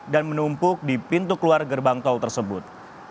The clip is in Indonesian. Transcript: dan menumpuk di pintu keluar gerbang tol tersebut